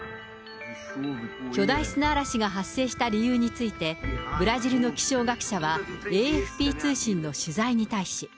巨大砂嵐が発生した理由について、ブラジルの気象学者はＡＦＰ通信の取材に対し。